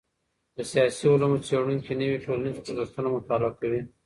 د سياسي علومو څېړونکي نوي ټولنيز خوځښتونه مطالعۀ کوي.